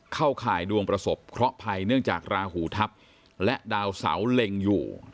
ข่ายดวงประสบเคราะหภัยเนื่องจากราหูทัพและดาวเสาเล็งอยู่